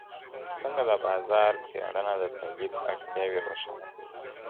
څنګه د بازار څېړنه د تولید اړتیاوې روښانه کوي؟